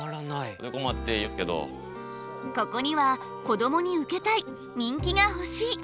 ここには「こどもにウケたい」「人気がほしい」